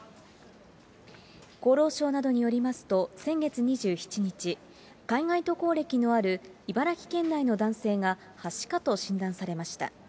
厚労省などによりますと、先月２７日、海外渡航歴のある茨城県内の男性がはしかと診断されました。